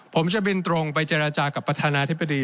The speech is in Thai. ผมจะบินตรงไปเจรจากับประธานาธิบดี